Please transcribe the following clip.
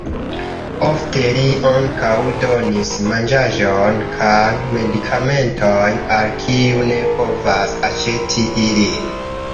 Ofte li ankaŭ donis manĝaĵon kaj medikamentojn al kiuj ne povas aĉeti ilin.